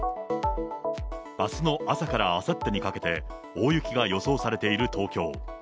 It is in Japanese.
あすの朝からあさってにかけて、大雪が予想されている東京。